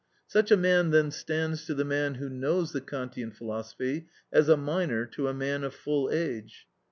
Such a man then stands to the man who knows the Kantian philosophy as a minor to a man of full age.